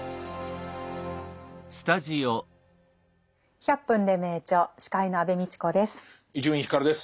「１００分ｄｅ名著」司会の安部みちこです。